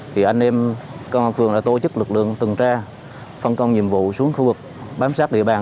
thì anh em công an phường đã tổ chức lực lượng từng tra phân công nhiệm vụ xuống khu vực bám sát địa bàn